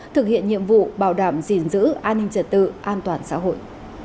thực hiện nhiệm vụ bảo đảm gìn giữ an ninh trật tự an toàn xã hội